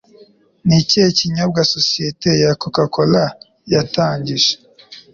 Ni ikihe kinyobwa sosiyete ya coca cola yatangije